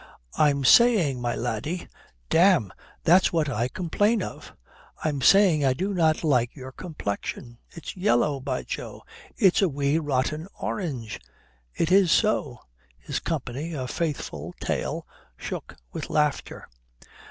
"I'm saying, my laddie " "Damme, that's what I complain of." "I'm saying I do not like your complexion. It's yellow, my jo, it's a wee rotten orange, it is so." His company, a faithful tail, shook with laughter.